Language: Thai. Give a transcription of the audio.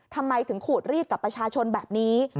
ทำไมถึงขูดรีดกับประชาชนแบบนี้